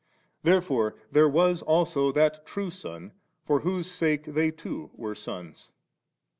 > Therefore there was also that True Son, for whose sake they too were sons.